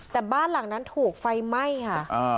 แต่บ้านหลังนั้นถูกไฟไหม้ค่ะ